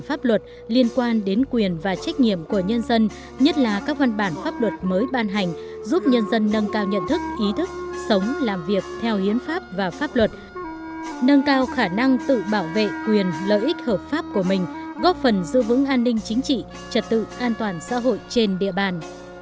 pháp luật liên quan đến quyền và trách nhiệm của nhân dân nhất là các văn bản pháp luật mới ban hành giúp nhân dân nâng cao nhận thức ý thức sống làm việc theo hiến pháp và pháp luật lợi ích hợp pháp của mình góp phần giữ vững an ninh chính trị trật tự an toàn xã hội trên địa bàn